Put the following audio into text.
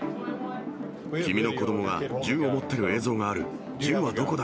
君の子どもが銃を持ってる映像がある。